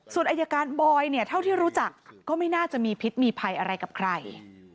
ส่วนอายการบอยเนี่ยเท่าที่รู้จักก็ไม่น่าจะมีพิษมีภัยอะไรกับใคร